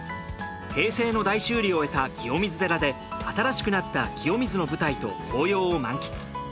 平成の大修理を終えた清水寺で新しくなった清水の舞台と紅葉を満喫。